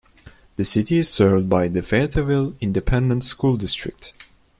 The city is served by the Fayetteville Independent School District.